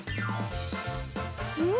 うん！